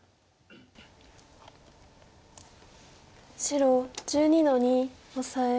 白１２の二オサエ。